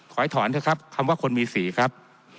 ขอให้ถอนเถอะครับคำว่าคนมีสีครับ